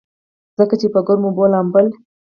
ځکه چې پۀ ګرمو اوبو لامبل